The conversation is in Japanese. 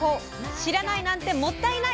知らないなんてもったいない。